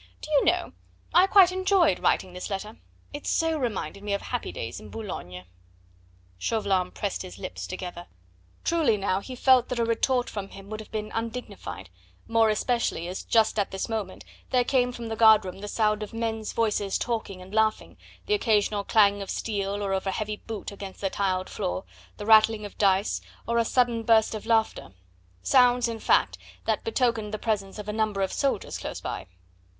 "Do you know, I quite enjoyed writing this letter; it so reminded me of happy days in Boulogne." Chauvelin pressed his lips together. Truly now he felt that a retort from him would have been undignified, more especially as just at this moment there came from the guard room the sound of men's voices talking and laughing, the occasional clang of steel, or of a heavy boot against the tiled floor, the rattling of dice, or a sudden burst of laughter sounds, in fact, that betokened the presence of a number of soldiers close by.